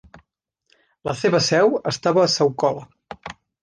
La seva seu estava a Saukkola.